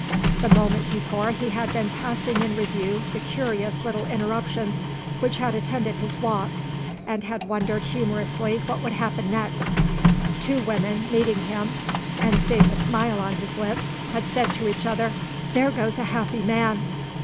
The moment before he had been passing in review the curious little interruptions which had attended his walk, and had wondered humorously what would happen next. Two women, meeting him, and seeing a smile on his lips, had said to each other, "There goes a happy man."